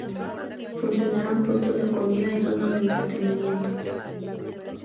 Funcionarán puestos de comida y zonas de entretenimiento.